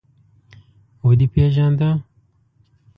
_ودې پېژانده؟